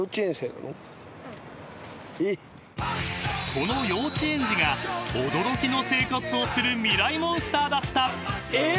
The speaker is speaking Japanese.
［この幼稚園児が驚きの生活をするミライモンスターだった］